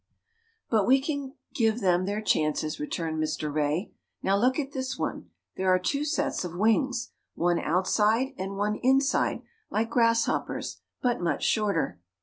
"But we can give them their chances," returned Mr. Rey. "Now look at this one. There are two sets of wings. One outside and one inside like grasshoppers, but much shorter.